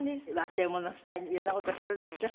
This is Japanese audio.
忘れ物をしたりいろんな事をするんでしょ？